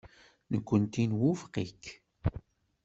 Nekkenti nwufeq-ik.